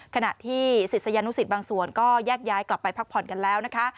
ขณะที่ศิษยานุสิตบางส่วนก็แยกย้ายกลับไปพักผ่อนกันแล้วนะคะ